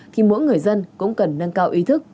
thì mỗi người dân cũng cần nâng cao ý thức